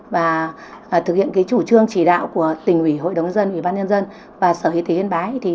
và thực hiện chủ trương chỉ đạo của tỉnh hội đồng dân bán nhân dân và sở y tế hiện bái